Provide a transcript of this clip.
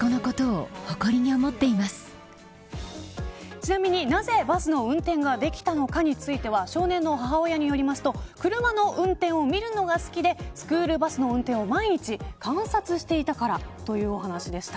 ちなみになぜバスの運転ができたのかについては少年の母親によりますと車の運転を見るのが好きでスクールバスの運転を毎日観察していたからというお話でした。